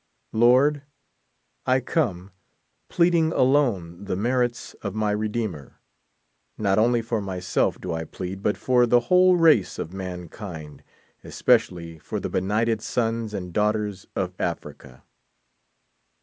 Lord, I come, pleading alone the merits of my Redeemer ; not only for myself do I plead, but for the whole race of mankind — especially for the benighted sous and daugh ters of Africa.